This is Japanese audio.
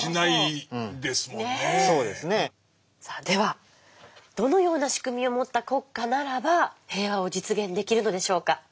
ではどのような仕組みを持った国家ならば平和を実現できるのでしょうか。